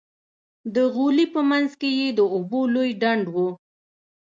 د غولي په منځ کښې يې د اوبو لوى ډنډ و.